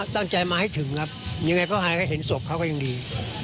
ตั้งใจมาให้ถึงครับยังไงก็หายให้เห็นศพเขาก็ยังดี